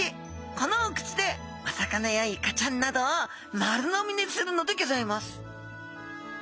このお口でお魚やイカちゃんなどを丸飲みにするのでギョざいます